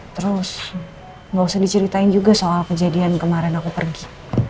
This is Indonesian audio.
terus nggak usah diceritain juga soal kejadian kemarin aku pergi